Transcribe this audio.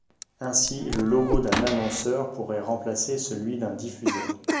Ainsi, le logo d'un annonceur pourrait remplacer celui d'un diffuseur.